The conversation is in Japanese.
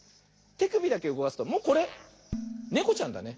てくびだけうごかすともうこれねこちゃんだね。